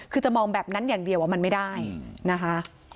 คือจะมองแบบนั้นอย่างเดียวมันไม่ได้นะคะ